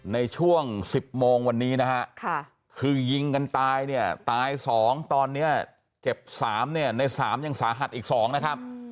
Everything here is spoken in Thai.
ในช่วง๑๐โมงวันนี้นะฮะคือยิงกันตายเนี่ยตาย๒ตอนนี้เจ็บ๓เนี่ยใน๓ยังสาหัสอีก๒นะครับ